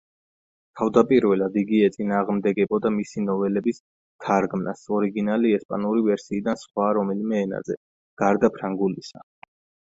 თავდაპირველად იგი ეწინააღმდეგებოდა მისი ნოველების თარგმნას ორიგინალი ესპანური ვერსიიდან სხვა რომელიმე ენაზე, გარდა ფრანგულისა.